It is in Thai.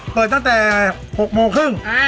เปิดตั้งแต่๖โมงครึ่ง